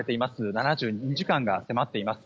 ７２時間が迫っています。